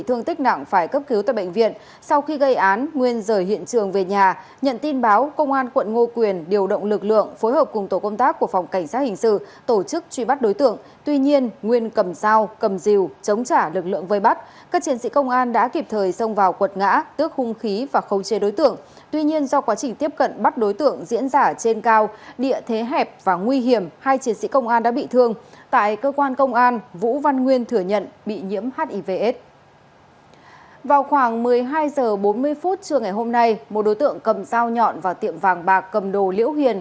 trước ngày hôm nay một đối tượng cầm dao nhọn vào tiệm vàng bạc cầm đồ liễu hiền